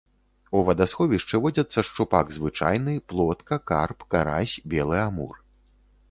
У вадасховішчы водзяцца шчупак звычайны, плотка, карп, карась, белы амур.